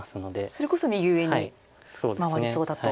それこそ右上に回りそうだと。